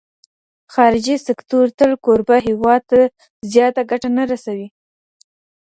خارجي سکتور تل کوربه هیواد ته زیاته ګټه نه رسوي.